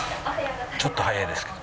ちょっと早いですけど。